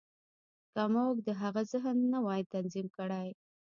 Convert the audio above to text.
که موږ د هغه ذهن نه وای تنظيم کړی.